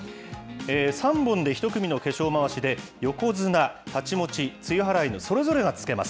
３本で一組の化粧まわしで、横綱、太刀持ち、露払いのそれぞれがつけます。